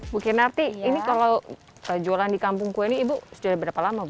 bukinarti ini kalau jualan di kampung kue ini ibu sejauh berapa lama